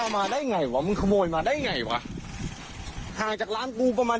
มึงทำกับกูได้